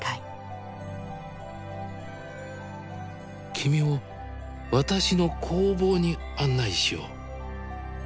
君を私の工房に案内しよう。